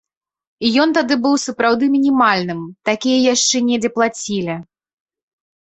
Ён тады быў сапраўды мінімальным, такія яшчэ недзе плацілі.